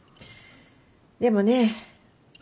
でもね